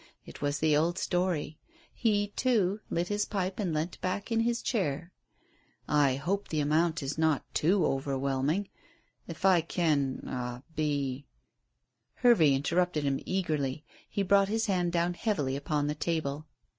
It was the old story. He, too, lit his pipe and leant back in his chair. "I hope the amount is not too overwhelming. If I can er be " Hervey interrupted him eagerly. He brought his hand down heavily upon the table.